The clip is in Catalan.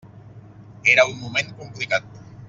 Era un moment complicat.